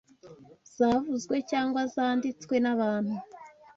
zavuzwe cyangwa zanditswe n’abantu